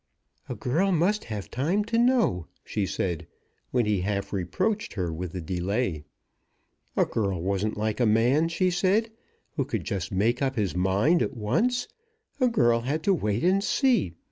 "A girl must have time to know," she said, when he half reproached her with the delay. A girl wasn't like a man, she said, who could just make up his mind at once, a girl had to wait and see.